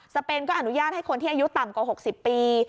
เปนก็อนุญาตให้คนที่อายุต่ำกว่า๖๐ปี